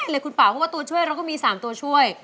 เลยคุณป่าเพราะว่าตัวช่วยเราก็มี๓ตัวช่วย